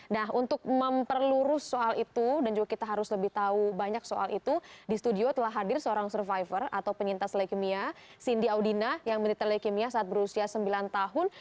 nah untuk memperlurus soal itu dan juga kita harus lebih tahu banyak soal itu di studio telah hadir seorang survivor atau penyintas leukemia cindy audina yang meniti leukemia saat berusia sembilan tahun